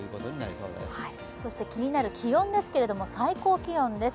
そして気になる気温ですけども、最高気温です。